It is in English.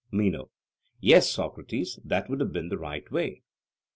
MENO: Yes, Socrates, that would have been the right way.